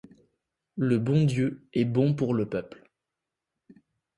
Le bon Dieu est bon pour le peuple.